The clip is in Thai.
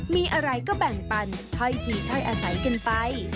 มีอะไรก็แบ่งปันถ้อยทีถ้อยอาศัยกันไป